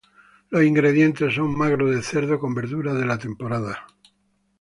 Los ingredientes son: magro de cerdo, con verduras de la temporada.